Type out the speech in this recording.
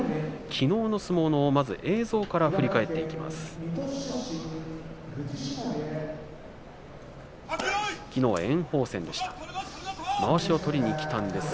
きのうの相撲の映像から振り返っていきます。